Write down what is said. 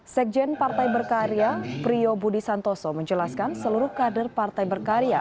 sekjen partai berkarya priyo budi santoso menjelaskan seluruh kader partai berkarya